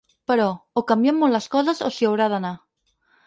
Però, o canvien molt les coses o s’hi haurà d’anar.